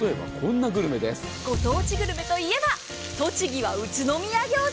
ご当地グルメといえば栃木は宇都宮餃子。